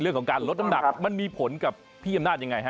เรื่องของการลดน้ำหนักมันมีผลกับพี่อำนาจยังไงฮะ